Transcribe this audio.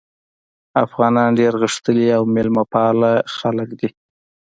افغانان ډېر غښتلي او میلمه پاله خلک دي.